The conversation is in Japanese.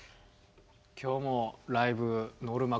今日もライブノルマ